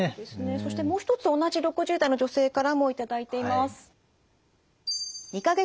そしてもう一つ同じ６０代の女性からも頂いています。